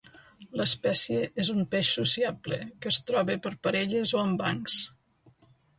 L'espècie és un peix sociable, que es troba per parelles o en bancs.